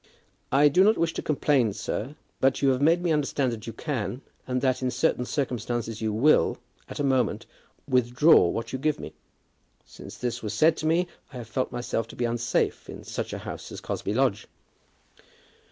"I do not wish to complain, sir, but you have made me understand that you can, and that in certain circumstances you will, at a moment, withdraw what you give me. Since this was said to me, I have felt myself to be unsafe in such a house as Cosby Lodge."